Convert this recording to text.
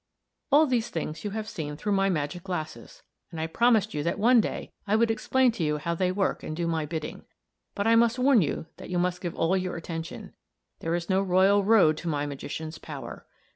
"All these things you have seen through my magic glasses, and I promised you that one day I would explain to you how they work and do my bidding. But I must warn you that you must give all your attention; there is no royal road to my magician's power.